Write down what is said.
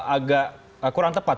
agak kurang tepat